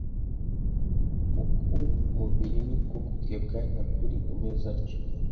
uk umubiri ni ko gukebwa nyakuri Umeze atyo